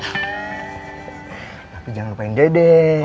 tapi jangan lupain dedek